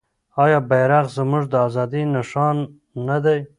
آیا بیرغ زموږ د ازادۍ نښان نه دی؟